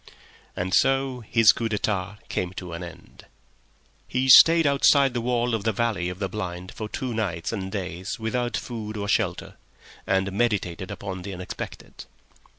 And so his coup d'etat came to an end. He stayed outside the wall of the valley of the blind for two nights and days without food or shelter, and meditated upon the Unexpected.